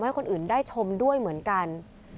ให้คนอื่นได้ชมด้วยเหมือนกัน